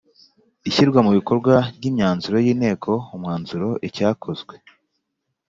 ishyirwa mu bikorwa ry’imyanzuro y’inteko umwanzuro icyakozwe